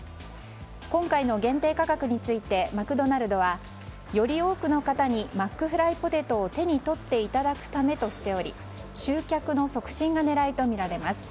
今回の限定価格についてマクドナルドはより多くの方にマックフライポテトを手に取っていただくためとしており集客の促進が狙いとしています。